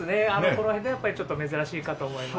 この辺ではやっぱりちょっと珍しいかと思います。